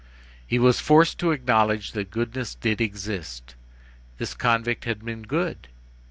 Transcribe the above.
He was forced to acknowledge that goodness did exist. This convict had been good.